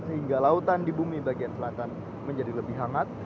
sehingga lautan di bumi bagian selatan menjadi lebih hangat